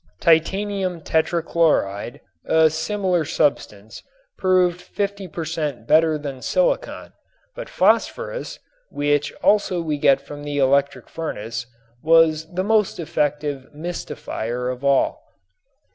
Titanium tetra chloride, a similar substance, proved 50 per cent. better than silicon, but phosphorus which also we get from the electric furnace was the most effective mistifier of all.